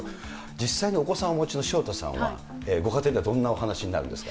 実際にお子さんおもちの潮田さんは、ご家庭ではどんな話になるんですか。